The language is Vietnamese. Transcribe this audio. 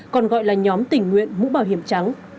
còn gọi là nhóm tình nguyện mũ bảo hiểm trắng